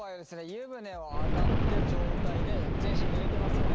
湯船を上がった状態で全身ぬれてますよね。